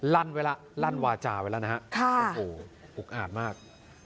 ลั่นไว้แล้วลั่นวาจาไว้แล้วนะฮะโอ้โหอุกอาดมาก